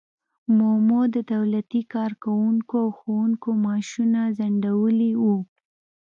مومو د دولتي کارکوونکو او ښوونکو معاشونه ځنډولي وو.